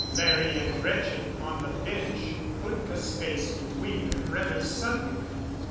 Larry and Gretchen on the bench put a space between them rather suddenly.